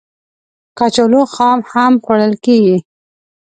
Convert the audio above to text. کچالو خام هم خوړل کېږي